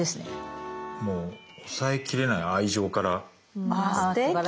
もう抑えきれない愛情から。